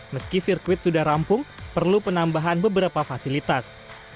meski sirkuit sudah rampung perlu penambahan beberapa fasilitas